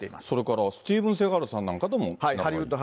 それからスティーブン・セガールさんなんかとも仲いい。